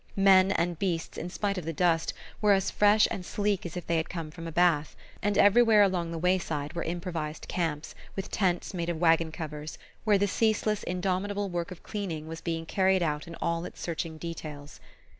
Men and beasts, in spite of the dust, were as fresh and sleek as if they had come from a bath; and everywhere along the wayside were improvised camps, with tents made of waggon covers, where the ceaseless indomitable work of cleaning was being carried out in all its searching details.